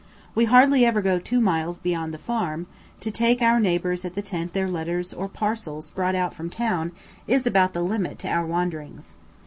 We hardly ever go two miles beyond the farm; to take our neighbours at the tent their letters or parcels brought out from town, is about the limit to our wanderings.